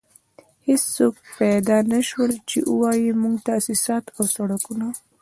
هېڅوک پيدا نه شول چې ووايي موږ تاسيسات او سړکونه.